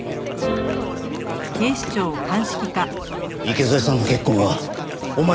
池添さんの血痕はお前が。